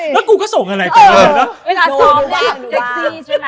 แล้วผมก็ส่งอะไรไป